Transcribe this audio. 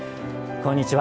こんにちは。